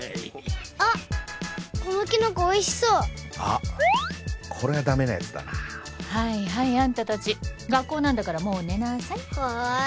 あっこのキノコおいしそうあっこれはダメなやつだなはいはいあんた達学校なんだからもう寝なさいはい